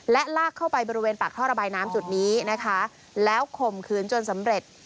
และลากเข้าไปบริเวณปากท่อระบายน้ำจุดนี้นะคะแล้วข่มขืนจนสำเร็จ